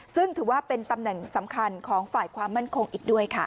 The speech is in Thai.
ซึ่งถือว่าเป็นตำแหน่งสำคัญของฝ่ายความมั่นคงอีกด้วยค่ะ